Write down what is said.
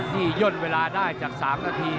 นี่ย่นเวลาได้จาก๓นาที